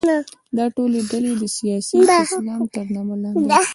دا ټولې ډلې د سیاسي اسلام تر نامه لاندې دي.